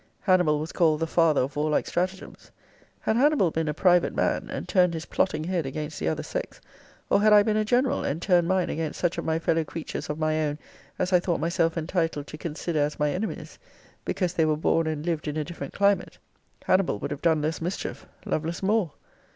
Hannibal was called The father of warlike stratagems. Had Hannibal been a private man, and turned his plotting head against the other sex; or had I been a general, and, turned mine against such of my fellow creatures of my own, as I thought myself entitled to consider as my enemies, because they were born and lived in a different climate; Hannibal would have done less mischief; Lovelace more.